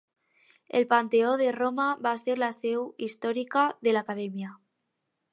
El Panteó de Roma va ser la seu històrica de l’acadèmia.